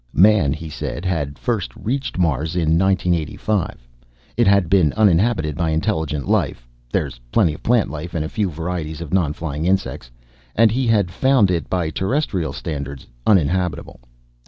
Man, he said, had first reached Mars in 1985. It had been uninhabited by intelligent life (there is plenty of plant life and a few varieties of non flying insects) and he had found it by terrestrial standards uninhabitable.